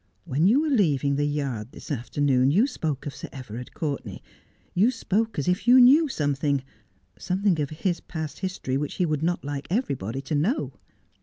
When you were leaving the yard this afternoon you spoke of Sir Everard Courtenay — you spoke as if you knew something — something of his past history which he would not like everybody to know.'